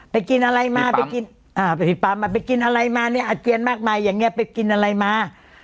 กินอะไรมาไปกินอ่าไปปั๊มมาไปกินอะไรมาเนี่ยอาเจียนมากมายอย่างเงี้ไปกินอะไรมา